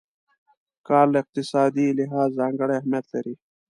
کار له اقتصادي لحاظه ځانګړی اهميت لري.